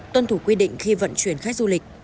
tuân thủ quy định khi vận chuyển khách du lịch